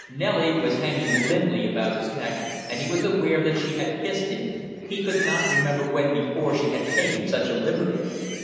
Nellie was hanging limply about his neck and he was aware that she had kissed him; he could not remember when before she had taken such a liberty.